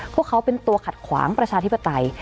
พวกเขาเป็นตัวขัดขวางประชาธิปไตย